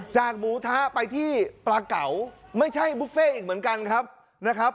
จากหมูท้าไปที่ปลาเก๋าไม่ใช่บุฟเฟ่อีกเหมือนกันครับ